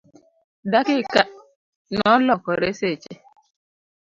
dakika nolokore seche